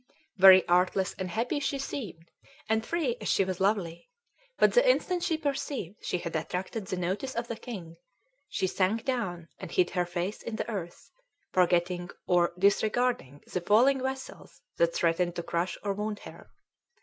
_ Very artless and happy she seemed, and free as she was lovely; but the instant she perceived she had attracted the notice of the king, she sank down and hid her face in the earth, forgetting or disregarding the falling vessels that threatened to crush or wound her.